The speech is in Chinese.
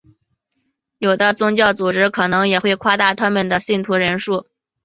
有的宗教组织可能也会夸大他们的信徒人数。